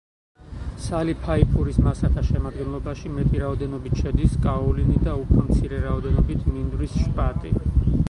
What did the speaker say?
სალი ფაიფურის მასათა შემადგენლობაში მეტი რაოდენობით შედის კაოლინი და უფრო მცირე რაოდენობით მინდვრის შპატი.